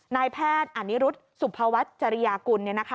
นายแพทย์อนิรุธสุภวัฒน์จริยากุล